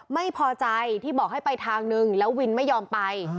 ไม่พอใจที่บอกให้ไปทางนึงแล้ววินไม่ยอมไป